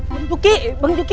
bang tuki bang tuki